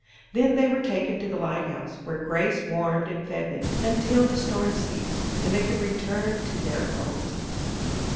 Then they were taken to the lighthouse, where Grace warmed and fed them, until the storm ceased, and they could return to their homes.